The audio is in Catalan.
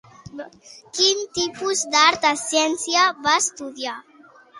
Quin tipus d'art escènica va estudiar?